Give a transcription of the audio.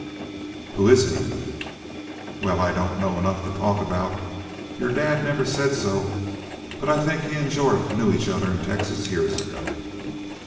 "Who is he?" "Wal, I don't know enough to talk aboot. Your dad never said so, but I think he an' Jorth knew each other in Texas years ago.